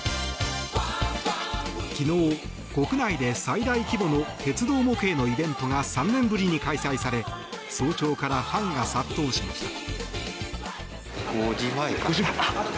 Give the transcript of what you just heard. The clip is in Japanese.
昨日、国内で最大規模の鉄道模型のイベントが３年ぶりに開催され早朝からファンが殺到しました。